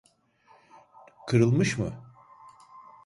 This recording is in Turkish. Kırılmış mı?